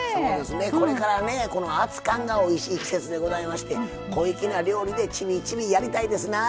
これから、熱かんがおいしい季節でございまして小粋な料理でちびちびやりたいですな。